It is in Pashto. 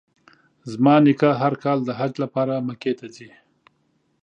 زما نیکه هر کال د حج لپاره مکې ته ځي.